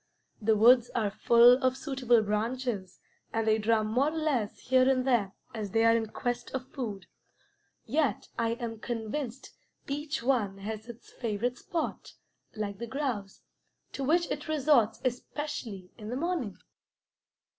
The woods are full of suitable branches, and they drum more or less here and there as they are in quest of food; yet I am convinced each one has its favorite spot, like the grouse, to which it resorts especially in the morning.